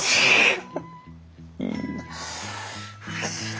いやうれしいな。